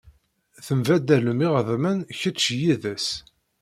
Tembaddalem iɣeḍmen kecc yid-s.